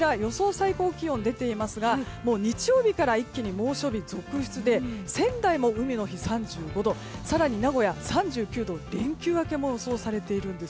最高気温は日曜日から一気に猛暑日続出で仙台も一気に３５度更に、名古屋３９度連休明けも予想されています。